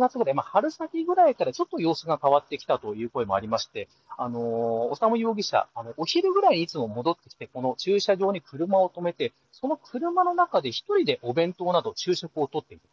ただ、その一方で今年の４月ぐらい春先ぐらいからちょっと様子が変わってきたという声もあって修容疑者、お昼ぐらいにいつも戻ってきて駐車場に車を止めてその車の中で１人でお弁当など昼食を取っていた。